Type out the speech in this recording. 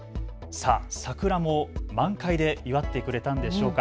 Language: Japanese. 桜も満開で祝ってくれたんでしょうか。